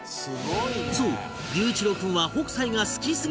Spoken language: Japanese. そう龍一郎君は北斎が好きすぎるあまり